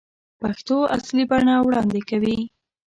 پېښو اصلي بڼه وړاندې کوي.